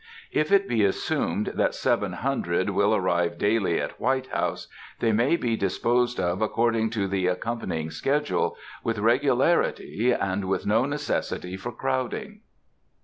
If it be assumed that seven hundred (700) will arrive daily at White House, they may be disposed of according to the accompanying schedule with regularity, and with no necessity for crowding.